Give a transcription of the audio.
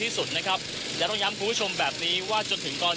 ติดตามการรายงานสดจากคุณทัศนายโค้ดทองค่ะ